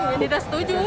jadi nggak setuju